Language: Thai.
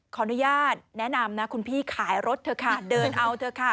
ขออนุญาตแนะนำนะคุณพี่ขายรถเถอะค่ะเดินเอาเถอะค่ะ